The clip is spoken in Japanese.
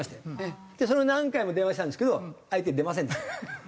で何回も電話したんですけど相手出ませんでした。